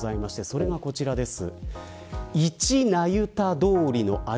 それがこちらです。